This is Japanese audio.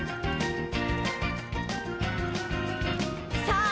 さあ